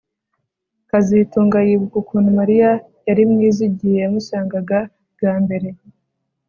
kazitunga yibuka ukuntu Mariya yari mwiza igihe yamusangaga bwa mbere